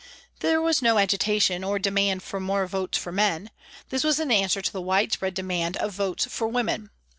There was no agitation or demand for more votes for men ; this was in answer to the widespread demand of votes for women.